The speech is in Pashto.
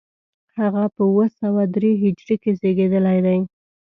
هغه په اوه سوه درې هجري کې زېږېدلی دی.